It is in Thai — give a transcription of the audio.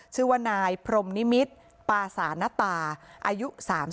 ชื่อว่านายพรมนิมิตรปาสานตาอายุ๓๒